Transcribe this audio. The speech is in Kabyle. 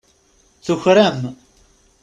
Tuker-am.